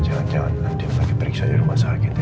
jangan jangan andin lagi periksa di rumah sakit ya